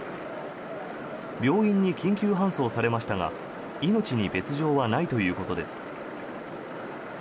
病院に緊急搬送されましたが命に別条はないということです。